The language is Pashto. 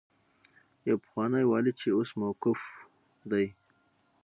يو پخوانی والي چې اوس موقوف دی.